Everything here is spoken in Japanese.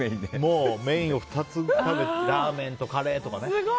メインを２つラーメンとカレーとかね。